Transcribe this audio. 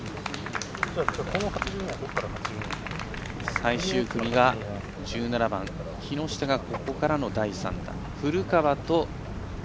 最終組が１７番木下がここからの第３打。